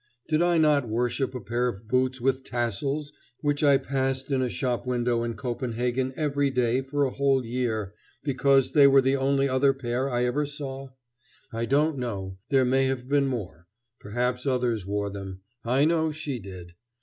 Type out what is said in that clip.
Did I not worship a pair of boots with tassels which I passed in a shop window in Copenhagen every day for a whole year, because they were the only other pair I ever saw? I don't know there may have been more; perhaps others wore them. I know she did.